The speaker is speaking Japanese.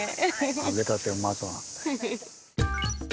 揚げたてうまそうなんだよ。